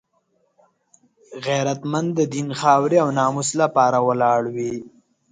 غیرتمند د دین، خاورې او ناموس لپاره ولاړ وي